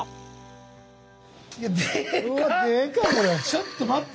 ちょっと待って。